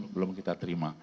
belum kita terima